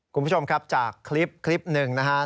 คุณผู้ชมครับจากคลิปคลิปหนึ่งนะครับ